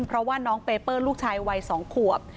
เพราะว่าน้องเปเปอร์ลูกชายวัย๒ขวบ